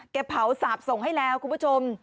เผาสาบส่งให้แล้วคุณผู้ชม